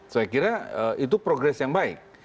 saya kira itu progres yang baik